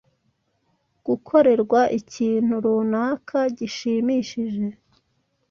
Gukorerwa ikintu runaka gishimishije